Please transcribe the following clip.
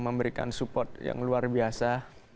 memberikan support yang luar biasa